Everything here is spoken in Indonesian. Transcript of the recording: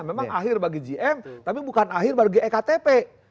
memang akhir bagi jn tapi bukan akhir bagi iktp